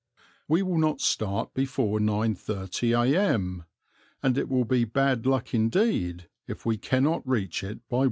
We will not start before 9.30 a.m. and it will be bad luck indeed if we cannot reach it by 1.